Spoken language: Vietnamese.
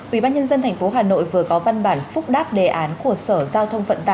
ubnd tp hà nội vừa có văn bản phúc đáp đề ảnh